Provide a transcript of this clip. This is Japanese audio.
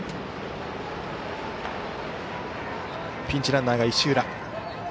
ピンチランナーは石浦。